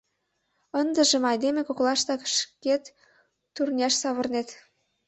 Ындыжым айдеме коклаштак шкет турняш савырнет.